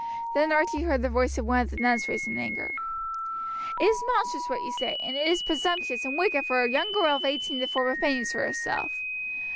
Then Archie heard the voice of one of the nuns raised in anger: "It is monstrous what you say, and it is presumptuous and wicked for a young girl of eighteen to form opinions for herself.